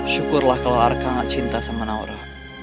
syukurlah kalau arka gak cinta sama naura